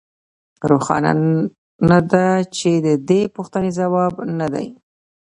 روښانه ده چې د دې پوښتنې ځواب نه دی